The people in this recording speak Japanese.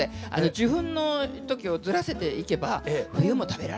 受粉の時をずらしていけば冬も食べられるんですよ。